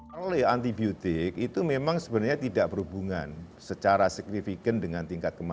kali antibiotik itu memang sebenarnya tidak berhubungan